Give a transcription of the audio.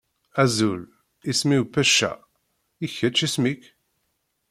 Azul! Isem-iw Pecca. I kečč, isem-ik?